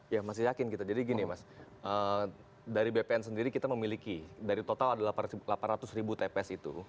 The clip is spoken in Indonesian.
ya masih yakin gitu jadi gini mas dari bpn sendiri kita memiliki dari total delapan ratus ribu tps itu